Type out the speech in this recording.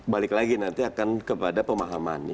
balik lagi nanti akan kepada pemahaman